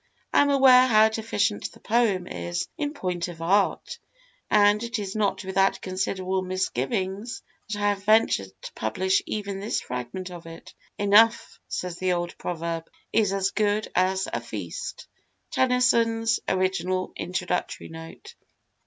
I am aware how deficient the Poem is in point of art, and it is not without considerable misgivings that I have ventured to publish even this fragment of it. 'Enough,' says the old proverb, 'is as good as a feast.' (Tennyson's original introductory note.)